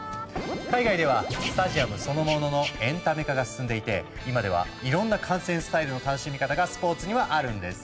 海外ではスタジアムそのもののエンタメ化が進んでいて今ではいろんな観戦スタイルの楽しみ方がスポーツにはあるんです。